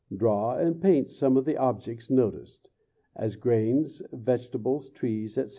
Draw and paint some of the objects noticed; as grains, vegetables, trees, etc.